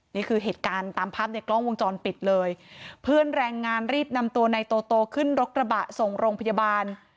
นี่คือเหตุการณ์ตามภาพในกล้องวงจรปิดเลยเพื่อนแรงงานรีบนำตัวนายโตโตขึ้นรถกระบะส่งโรงพยาบาล